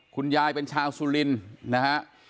คุณยายเป็นชาวสุรินทร์นะฮะ